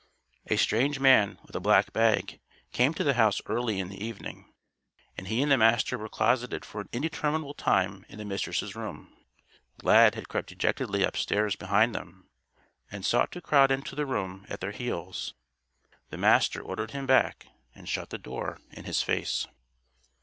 A strange man, with a black bag, came to the house early in the evening; and he and the Master were closeted for an interminable time in the Mistress' room. Lad had crept dejectedly upstairs behind them; and sought to crowd into the room at their heels. The Master ordered him back and shut the door in his face.